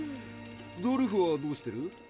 ドルフはどうしてる？